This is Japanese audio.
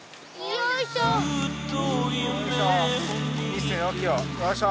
よいしょ。